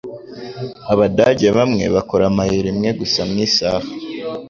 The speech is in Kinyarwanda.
Abadage bamwe bakora amayero imwe gusa mu isaha.